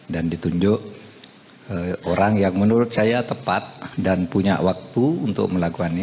dan ditunjuk orang yang menurut saya tepat dan punya waktu untuk melakukan ini